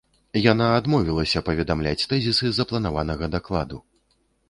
Яна адмовілася паведамляць тэзісы запланаванага дакладу.